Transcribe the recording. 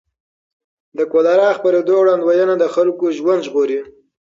د کولرا خپرېدو وړاندوینه د خلکو ژوند ژغوري.